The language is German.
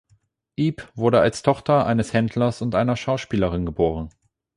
Ip wurde als Tochter eines Händlers und einer Schauspielerin geboren.